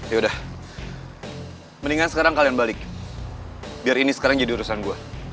ya udah mendingan sekarang kalian balik biar ini sekarang jadi urusan gue